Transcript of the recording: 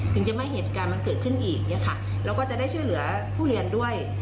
ถึงจะไม่เหตุการณ์มันเกิดขึ้นอีกเนี่ยค่ะแล้วก็จะได้ช่วยเหลือผู้เรียนด้วย